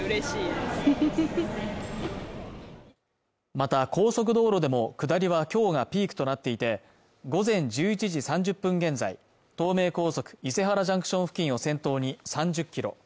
また高速道路でも下りはきょうがピークとなっていて午前１１時３０分現在東名高速伊勢原ジャンクション付近を先頭に３０ｋｍ